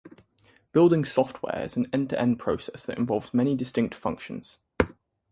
Building software is an end-to-end process that involves many distinct functions.